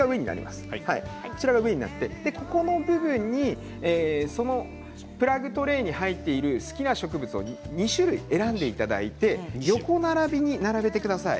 ここの部分にプラグトレーに入っている好きな植物を２種類選んでいただいて横並びに並べてください。